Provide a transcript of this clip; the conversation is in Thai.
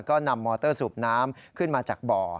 ก็นำมอเตอร์สูบน้ำขึ้นมาจากบ่อ